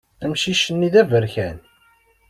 Amcic-nni d aberkan.